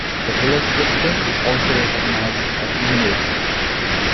The village president is also recognized as the mayor.